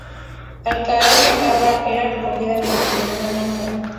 Al caer la cabra era recogida mediante una manta.